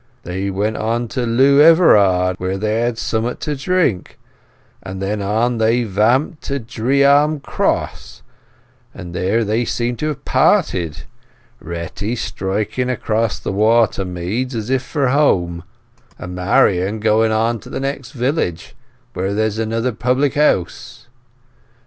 They went on to Lew Everard, where they had summut to drink, and then on they vamped to Dree armed Cross, and there they seemed to have parted, Retty striking across the water meads as if for home, and Marian going on to the next village, where there's another public house.